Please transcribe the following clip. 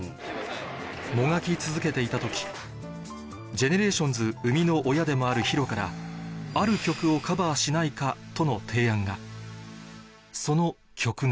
もがき続けていた時 ＧＥＮＥＲＡＴＩＯＮＳ 生みの親でもある ＨＩＲＯ からある曲をカバーしないかとの提案がその曲が